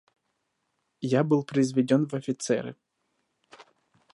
Я был произведен в офицеры.